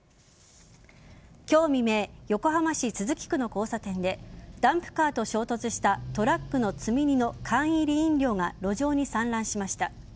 今日未明横浜市都筑区の交差点でダンプカーと衝突したトラックの積み荷の缶入り飲料が路上に散乱しました。